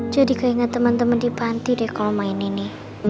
jadi kayaknya teman teman dipanti deh kalau main ini